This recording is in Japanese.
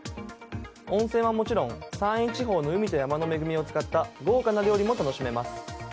温泉はもちろん山陰地方の海と山の恵みを使った豪華な料理も楽しめます。